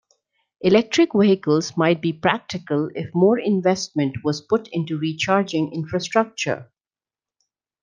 Electric Vehicles might be practical if more investment was put into recharging infrastructure.